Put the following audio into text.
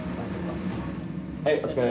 はいお疲れ。